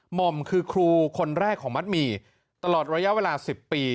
ห่อมคือครูคนแรกของมัดหมี่ตลอดระยะเวลา๑๐ปี